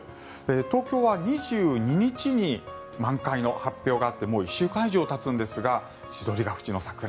東京は２２日に満開の発表があってもう１週間以上たつんですが千鳥ヶ淵の桜